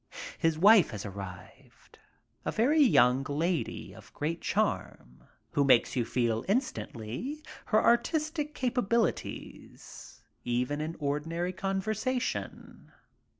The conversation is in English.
His wife has arrived. A very young lady of great charm, who makes you feel in stantly her artistic capabilities even in ordinary conver sation.